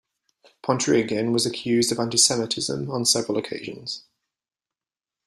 Pontryagin was accused of anti-Semitism on several occasions.